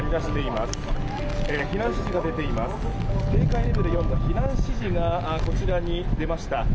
警戒レベル４の避難指示がこちらに出ました。